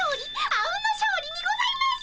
あうんの勝利にございます！